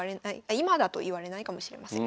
今だと言われないかもしれません。